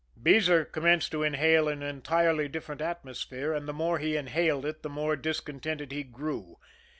Beezer commenced to inhale an entirely different atmosphere, and the more he inhaled it the more discontented he grew.